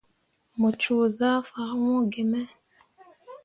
Mu coo zah fah hun gi me.